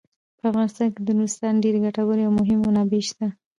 په افغانستان کې د نورستان ډیرې ګټورې او مهمې منابع شته.